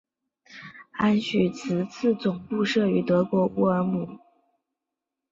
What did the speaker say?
安许茨总部设于德国乌尔姆。